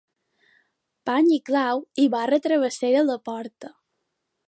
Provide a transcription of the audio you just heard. Pany i clau i barra travessera a la porta.